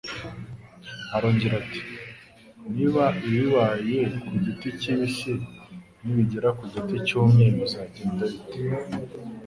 Arongera ati : Niba ibi bibaye ku giti kibisi nibigera ku giti cyumye bizagenda bite?"